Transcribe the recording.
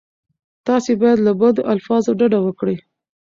تاسې باید له بدو الفاظو ډډه وکړئ.